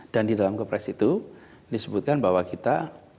dan di dalam kepres itu disebutkan bahwa kita